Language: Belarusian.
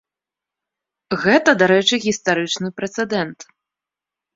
Гэта, дарэчы, гістарычны прэцэдэнт.